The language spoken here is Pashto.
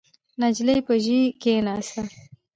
نجلۍ پر ژۍ کېناسته.